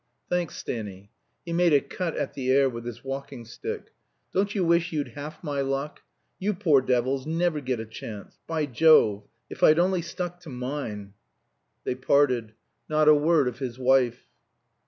"Thanks, Stanny." He made a cut at the air with his walking stick. "Don't you wish you'd half my luck? You poor devils never get a chance. By Jove! if I'd only stuck to mine!" They parted. Not a word of his wife.